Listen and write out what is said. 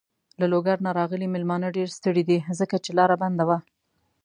له لوګر نه راغلی مېلمانه ډېر ستړی دی. ځکه چې لاره بنده وه.